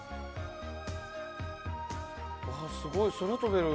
すごい、空飛べる。